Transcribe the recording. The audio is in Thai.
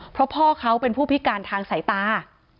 เพราะพ่อเขาเป็นผู้พิการทางสายตา